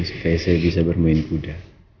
supaya saya bisa bermain kuda